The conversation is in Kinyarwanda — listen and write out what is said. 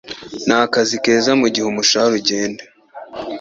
Ni akazi keza, mugihe umushahara ugenda.